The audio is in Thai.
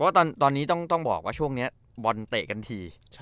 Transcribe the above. ว่าตอนนี้ต้องบอกว่าช่วงนี้บอลเตะกันที